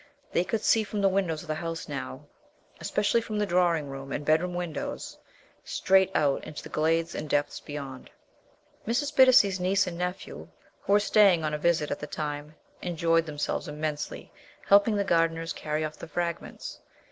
They could see from the windows of the house now especially from the drawing room and bedroom windows straight out into the glades and depths beyond. Mrs. Bittacy's niece and nephew, who were staying on a visit at the time, enjoyed themselves immensely helping the gardeners carry off the fragments.